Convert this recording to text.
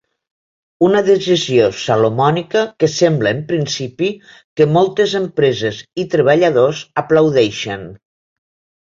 Una decisió salomònica que sembla, en principi, que moltes empreses i treballadors aplaudeixen.